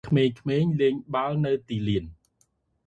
ក្មេងៗលេងបាល់នៅទីលាន។